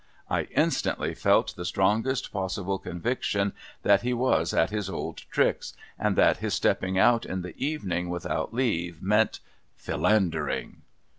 I instantly felt the strongest possible conviction that he was at his old tricks : and that his stepping out in the evening, without leave, meant — Philandering.